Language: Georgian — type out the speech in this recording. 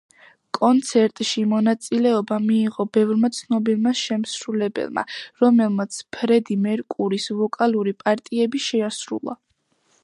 კონცერტში მონაწილეობა მიიღო ბევრმა ცნობილმა შემსრულებელმა, რომელმაც ფრედი მერკურის ვოკალური პარტიები შეასრულა.